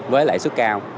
với lãi suất cao